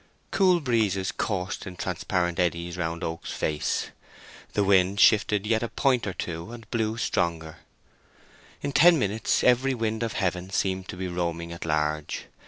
Cool breezes coursed in transparent eddies round Oak's face. The wind shifted yet a point or two and blew stronger. In ten minutes every wind of heaven seemed to be roaming at large.